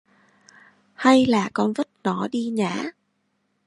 Hay là con vất nó đi nhá